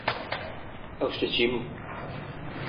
ئەو شتە چی بوو؟